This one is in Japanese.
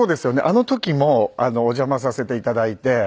あの時もお邪魔させて頂いて。